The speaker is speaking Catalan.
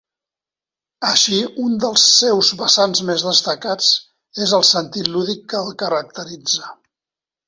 Així, un dels seus vessants més destacats és el sentit lúdic que el caracteritza.